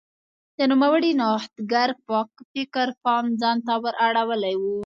د نوموړي نوښتګر فکر پام ځان ته ور اړولی و.